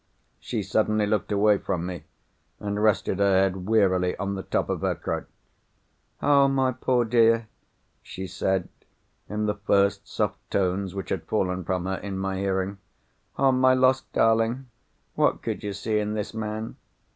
She suddenly looked away from me, and rested her head wearily on the top of her crutch. "Oh, my poor dear!" she said, in the first soft tones which had fallen from her, in my hearing. "Oh, my lost darling! what could you see in this man?"